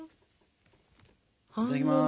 いただきます。